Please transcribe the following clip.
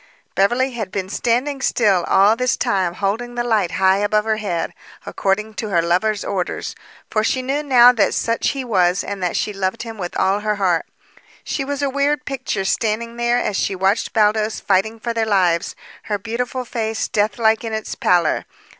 Beverly had been standing still all this time holding the light high above her head, according to her lover's orders, for she knew now that such he was and that she loved him with all her heart. She was a weird picture standing there as she watched Baldos fighting for their lives, her beautiful face deathlike in its pallor.